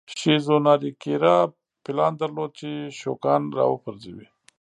شیزو ناریاکیرا پلان درلود چې شوګان را وپرځوي.